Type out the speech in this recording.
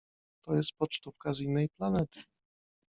— To jest pocztówka z innej planety.